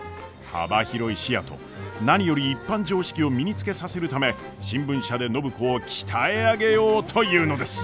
幅広い視野と何より一般常識を身につけさせるため新聞社で暢子を鍛え上げようというのです。